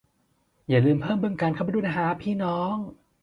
อย่าลืมเพิ่ม บึงกาฬ เข้าไปด้วยนะฮ้าบพี่น้อง